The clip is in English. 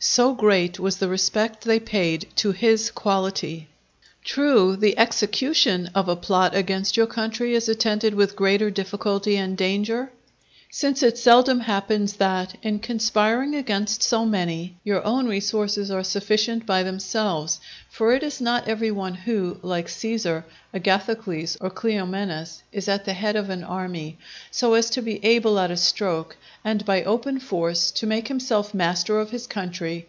So great was the respect they paid to his quality. True, the execution of a plot against your country is attended with greater difficulty and danger, since it seldom happens that, in conspiring against so many, your own resources are sufficient by themselves; for it is not every one who, like Cæsar, Agathocles, or Cleomenes, is at the head of an army, so as to be able at a stroke, and by open force to make himself master of his country.